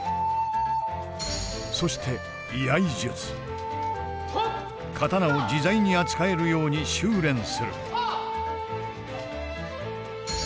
そして刀を自在に扱えるように修練する。